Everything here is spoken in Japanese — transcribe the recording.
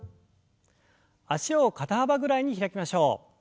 脚を肩幅ぐらいに開きましょう。